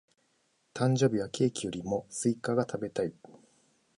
誕生日はケーキよりもスイカが食べたい。